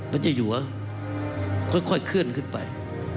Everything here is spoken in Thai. พระเจ้าหญิงว่าค่อยเคลื่อนขึ้นไป